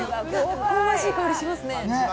香ばしい香りしますね。